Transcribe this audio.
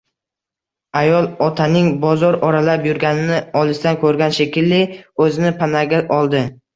Ayol otaning bozor oralab yurganini olisdan ko‘rgan shekilli, o‘zini panaga oldi